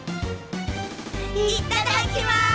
いっただきます！